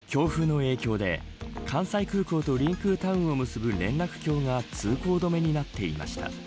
強風の影響で関西空港とりんくうタウンを結ぶ連絡橋が通行止めになっていました。